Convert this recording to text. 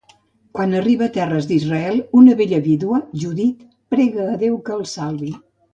Quan arriba a terres d'Israel, una bella vídua, Judit, prega a Déu que els salvi.